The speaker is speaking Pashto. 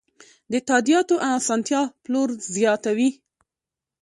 د تادیاتو اسانتیا پلور زیاتوي.